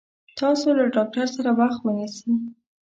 تاسو له ډاکټر سره وخت ونيسي